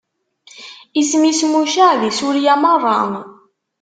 Isem-is mucaɛ di Surya meṛṛa.